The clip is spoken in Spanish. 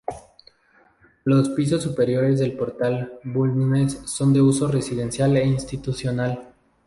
Los pisos superiores del Portal Bulnes son de uso residencial e institucional.